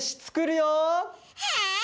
はい！